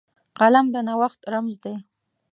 قلم د نوښت رمز دی